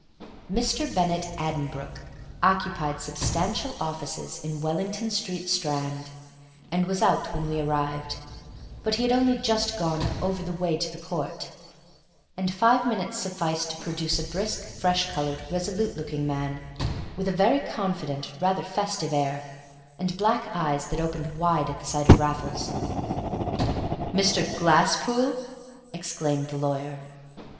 Mr. Bennett Addenbrooke occupied substantial offices in Wellington Street, Strand, and was out when we arrived; but he had only just gone "over the way to the court"; and five minutes sufficed to produce a brisk, fresh colored, resolute looking man, with a very confident, rather festive air, and black eyes that opened wide at the sight of Raffles. "Mr. Glasspool?" exclaimed the lawyer.